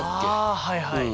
あはいはい。